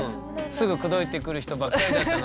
すぐ口説いてくる人ばっかりだったのに。